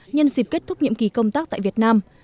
nhân dịp kết thúc nhiệm kỳ công tác tại việt nam